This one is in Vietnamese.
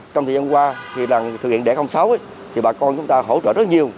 trong thời gian qua thì là thực hiện đẻ sáu thì bà con chúng ta hỗ trợ rất nhiều